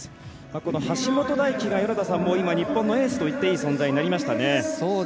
この橋本大輝が日本のエースといっていい存在になりましたね。